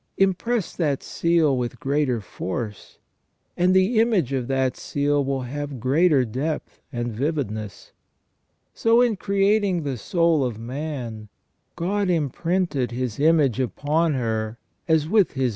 Impress that seal with greater force, and the image of that seal will have greater depth and vividness. So in creating the soul of man, God imprinted His image upon her as with His own WJIV MAN IS MADE TO THE IMAGE OF GOD.